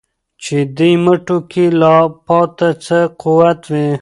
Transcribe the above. چي دي مټو كي لا پاته څه قوت وي